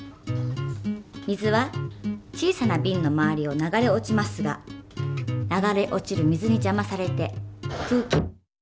水は小さなビンの周りを流れ落ちますが流れ落ちる水にじゃまされて空気。